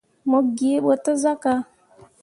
Mo gee ɓo te sah ka.